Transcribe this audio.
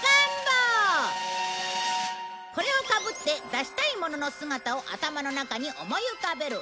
これをかぶって出したいものの姿を頭の中に思い浮かべる。